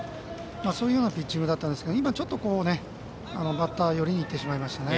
そういうようなピッチングだったんですが今ちょっとバッター寄りに行ってしまいましたね。